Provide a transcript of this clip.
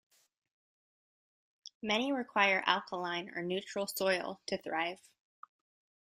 Many require alkaline or neutral soil to thrive.